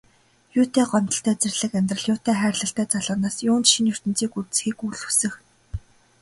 Юутай гомдолтой зэрлэг амьдрал, юутай хайрлалтай залуу нас, юунд шинэ ертөнцийг үзэхийг үл хүснэ.